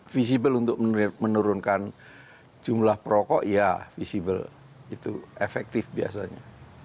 visible untuk menurunkan jumlah perokok ya visible itu efektif biasanya